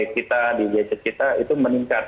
kita di gadget kita itu meningkat